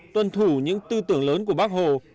tuân thủ những tư tưởng lớn của bác hồ